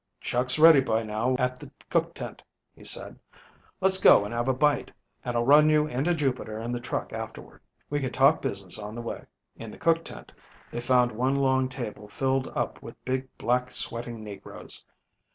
"Chuck's ready by now at the cook tent," he said. "Let's go and have a bite, and I'll run you into Jupiter in the truck afterward. We can talk business on the way." In the cook tent they found one long table filled up with big, black, sweating negroes.